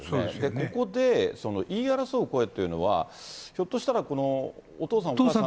ここで言い争う声というのは、ひょっとしたらこのお父さんお母さん。